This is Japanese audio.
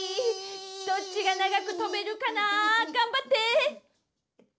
どっちが長くとべるかな？頑張って！